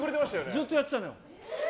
ずっとやってたのよ。